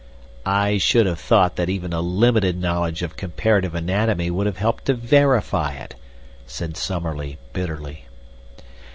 "I should have thought that even a limited knowledge of comparative anatomy would have helped to verify it," said Summerlee, bitterly.